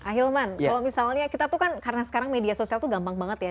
ahilman kalau misalnya kita tuh kan karena sekarang media sosial tuh gampang banget ya